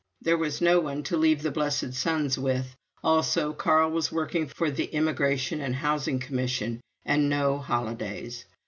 There was no one to leave the blessed sons with; also, Carl was working for the Immigration and Housing Commission, and no holidays.